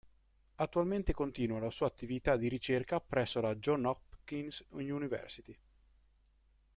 Attualmente continua la sua attività di ricerca presso la Johns Hopkins University.